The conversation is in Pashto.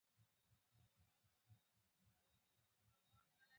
مینه له مینې پیدا کېږي دا یو حقیقت دی.